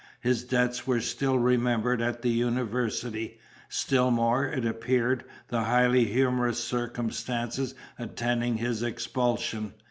His debts were still remembered at the University; still more, it appeared, the highly humorous circumstances attending his expulsion.